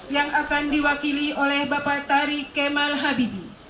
yang akan diwakili oleh bapak tari kemal habibi